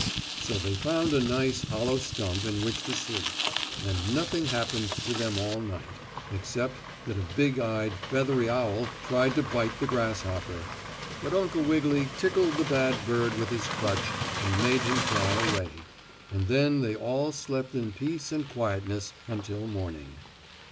So they found a nice hollow stump in which to sleep, and nothing happened to them all night, except that a big eyed, feathery owl tried to bite the grasshopper. But Uncle Wiggily tickled the bad bird with his crutch and made him fly away, and then they all slept in peace and quietness until morning.